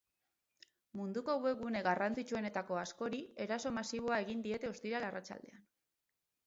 Munduko webgune garrantzitsuenetako askori eraso masiboa egin diete ostiral arratsaldean.